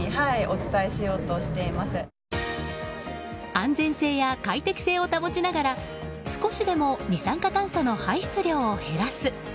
安全性や快適性を保ちながら少しでも二酸化炭素の排出量を減らす。